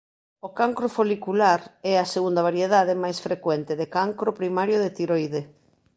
O cancro folicular é a segunda variedade máis frecuente de cancro primario de tiroide.